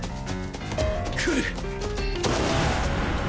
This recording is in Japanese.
来る！